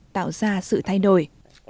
tạo ra sự thay đổi